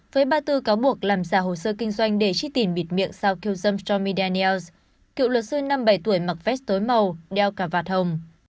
với ba tư cáo buộc làm xả hồ sơ kinh doanh để chi tiền bịt miệng sau kiêu dâm stormy daniels cựu luật sư năm bảy tuổi mặc vét tối màu đeo cả vạt hồng